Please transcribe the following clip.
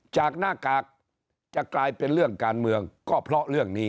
จากหน้ากากจะกลายเป็นเรื่องการเมืองก็เพราะเรื่องนี้